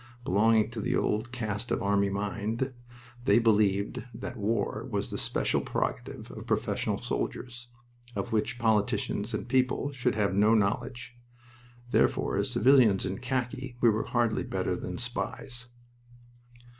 Belonging to the old caste of army mind, they believed that war was the special prerogative of professional soldiers, of which politicians and people should have no knowledge. Therefore as civilians in khaki we were hardly better than spies.